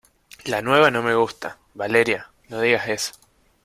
la nueva no me gusta. Valeria, no digas eso